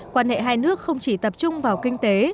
quan hệ hai nước không chỉ tập trung vào kinh tế